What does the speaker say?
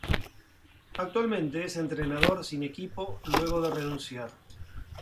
Actualmente es entrenador sin equipo luego de renunciar.